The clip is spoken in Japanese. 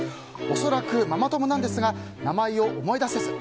恐らくママ友なんですが名前を思い出せず。